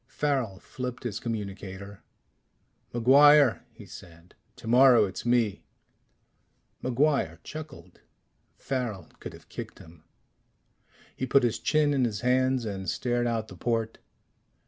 Farrel flipped his communicator. "MacGuire," he said. "Tomorrow it's me." MacGuire chuckled. Farrel could have kicked him. He put his chin in his hands and stared out the port.